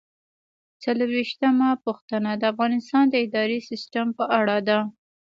څلرویشتمه پوښتنه د افغانستان د اداري سیسټم په اړه ده.